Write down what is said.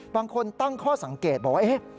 บางคนตั้งข้อสังเกตบอกว่า